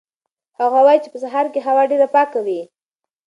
هغه وایي چې په سهار کې هوا ډېره پاکه وي.